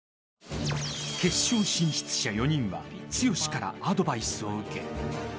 ［決勝進出者４人は剛からアドバイスを受け］